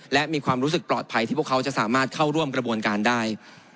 และมีความรู้สึกปลอดภัยที่พวกเขาจะสามารถเข้าร่วมกระบวนการได้